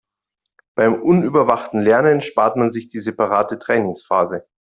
Beim unüberwachten Lernen spart man sich die separate Trainingsphase.